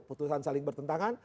putusan saling bertentangan